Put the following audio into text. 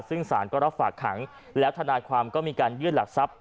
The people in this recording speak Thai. ซึ่งสารก็รับฝากขังแล้วทนายความก็มีการยื่นหลักทรัพย